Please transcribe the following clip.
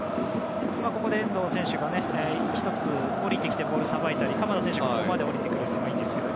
ここで遠藤選手が１つ下りてきてボールをさばいたり鎌田選手が下りてくるのもいいんですけど。